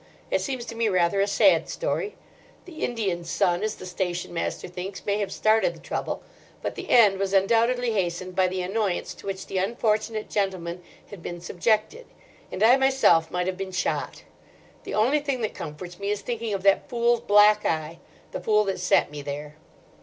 It seems to me rather a sad story. The Indian sun, as the station master thinks, may have started the trouble; but the end was undoubtedly hastened by the annoyance to which the unfortunate gentleman had been subjected; and I myself might have been shot. The only thing that comforts me is thinking of that fool's black eye—the fool that sent me there."